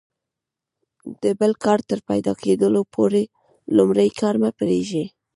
د بل کار تر پیدا کیدلو پوري لومړی کار مه پرېږئ!